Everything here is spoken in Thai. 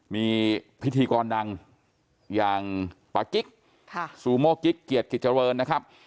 มีพิธีกรดังอย่างปากิ๊กซูโมกิ๊กเกียรติกิจเจริญนะครับ